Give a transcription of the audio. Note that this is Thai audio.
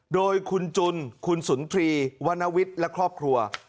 โดยคุณจุนคุณสุนทรีวรรณวิทย์และครอบครัว